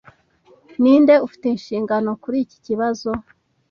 Ninde ufite inshingano kuri iki kibazo?